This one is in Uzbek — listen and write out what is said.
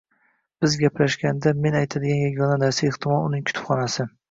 Biz gaplashganda men aytadigan yagona narsa, ehtimol, uning kutubxonasi.